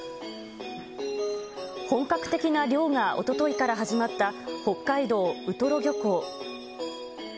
本格的な漁がおとといから始まった、北海道ウトロ漁港。